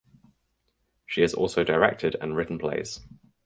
She has also directed and written plays.